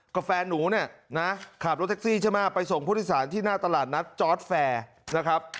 ก็แฟนหนูเนี่ยขับรถแท็กซี่ใช่มะไปส่งพฤษศาลที่หน้าตลาดนักจอร์สแฟร์นะครับ